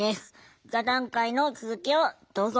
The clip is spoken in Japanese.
座談会の続きをどうぞ。